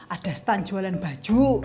ada stan jualan baju